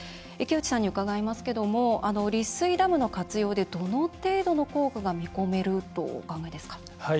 池内さんに伺いますが利水ダムの活用でどの程度の効果が見込めるとお考えですか。